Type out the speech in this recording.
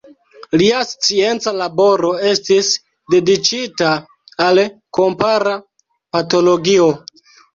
Lia scienca laboro estis dediĉita al kompara patologio.